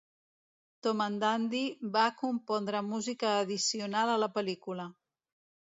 Tomandandy va compondre música addicional a la pel·lícula.